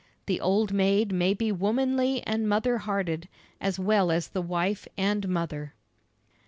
The old maid may be womanly and mother hearted as well as the wife and mother.